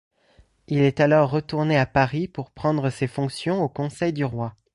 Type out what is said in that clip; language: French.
Il est alors retourné à Paris pour prendre ses fonctions au Conseil du roi.